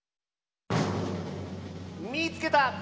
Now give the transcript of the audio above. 「みいつけた！